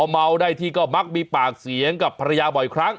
เมาได้ที่ก็มักมีปากเสียงกับภรรยาบ่อยครั้ง